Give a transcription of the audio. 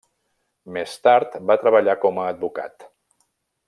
Més tard va treballar com a advocat.